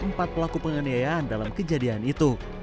empat pelaku penganiayaan dalam kejadian itu